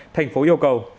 thành phố yêu cầu